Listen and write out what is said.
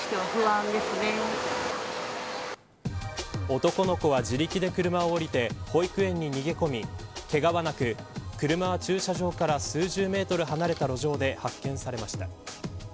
男の子は自力で車を降りて保育園に逃げ込みけがはなく車は駐車場から数十メートル離れた路上で発見されました。